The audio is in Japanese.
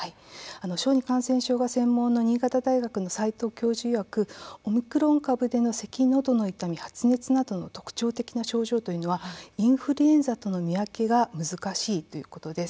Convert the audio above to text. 小児感染症が専門の新潟大学の齋藤教授いわくオミクロン株でのせき、のどの痛み、発熱などの特徴的な症状というのはインフルエンザとの見分けが難しいということです。